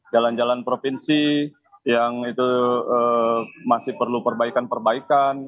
jalan jalan provinsi yang itu masih perlu perbaikan perbaikan